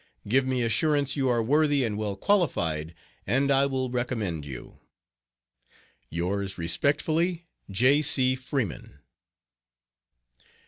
Give me assurance you are worthy and well qualified and I will recommend you. Yours respectfully, J. C. FREEMAN.